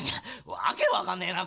訳わかんねえな